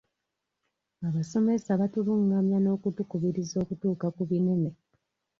Abasomesa batulungamya n'okutukubiriza okutuuka ku binene.